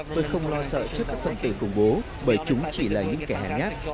tôi không lo sợ trước các phận tệ khủng bố bởi chúng chỉ là những kẻ hãng nhát